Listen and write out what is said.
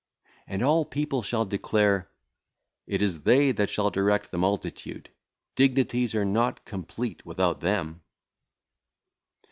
And all people shall declare, 'It is they that shall direct the multitude; dignities are not complete without them.'